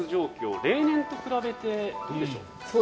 例年と比べてどうでしょう。